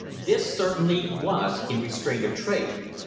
This certainly was in restraint of trade.